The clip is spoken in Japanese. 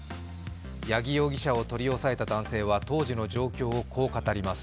八木容疑者を取り押さえた男性は当時の状況をこう語ります。